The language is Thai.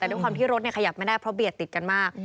แต่ด้วยความที่รถขยับไม่ได้เพราะเบียดติดกันมาก